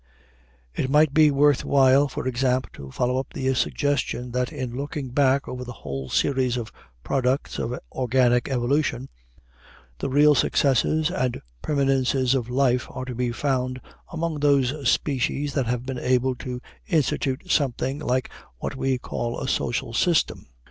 It might be worth while, for example, to follow up the suggestion that in looking back over the whole series of products of organic evolution, the real successes and permanences of life are to be found among those species that have been able to institute something like what we call a social system.